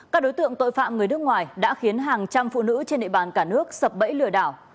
các đối tượng tội phạm người nước ngoài đã khiến hàng trăm phụ nữ trên địa bàn cả nước sập bẫy lừa đảo